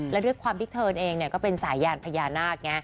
และด้วยความที่เธอเองก็เป็นสายยานพญานาคไง